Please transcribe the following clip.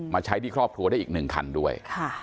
มาใช้ที่ครอบครัวได้อีกหนึ่งคันด้วย